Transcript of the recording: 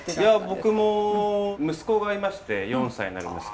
僕も息子がいまして４歳になる息子が。